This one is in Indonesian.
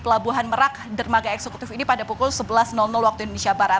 pelabuhan merak dermaga eksekutif ini pada pukul sebelas waktu indonesia barat